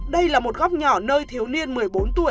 đây là một góc nhỏ nơi thiếu niên một mươi bốn tuổi